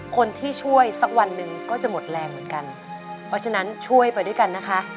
คนที่ช่วยสักวันหนึ่งก็จะหมดแรงเหมือนกันเพราะฉะนั้นช่วยไปด้วยกันนะคะ